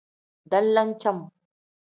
Dalam cem.